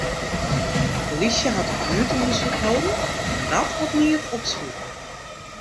De polysje hat in buertûndersyk hâlden, mar dat hat neat opsmiten.